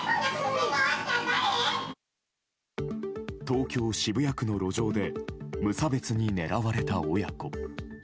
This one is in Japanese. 東京・渋谷区の路上で無差別に狙われた親子。